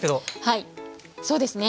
はいそうですね。